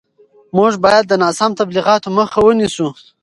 موږ باید د ناسم تبلیغاتو مخه ونیسو.